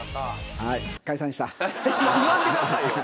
言わんでくださいよ！